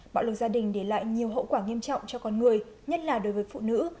bạo lực gia đình để lại nhiều hậu quả nghiêm trọng cho con người nhất là đối với phụ nữ